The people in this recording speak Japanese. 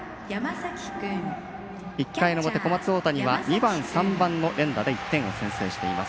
１回の表、小松大谷は２番、３番の連打で１点を先制しています。